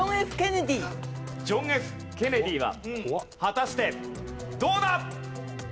ジョン・Ｆ・ケネディは果たしてどうだ？